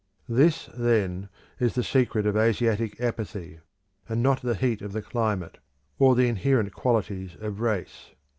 This, then, is the secret of Asiatic apathy, and not the heat of the climate, or the inherent qualities of race.